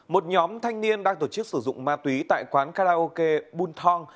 một nhóm thanh niên đang tổ chức sử dụng ma túy tại quán karaoke bung thong